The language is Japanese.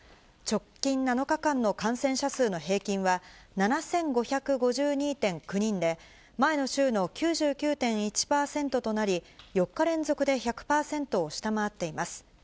直近７日間の感染者数の平均は７５５２．９人で、前の週の９９．１％となり、４日連続で１００％を下回っています。